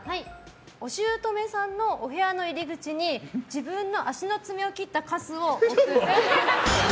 お姑さんのお部屋の入り口に自分の足の爪を切ったカスを置く。